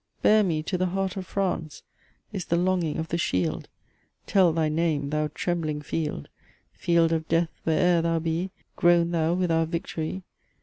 Bear me to the heart of France, Is the longing of the Shield Tell thy name, thou trembling Field! Field of death, where'er thou be, Groan thou with our victory!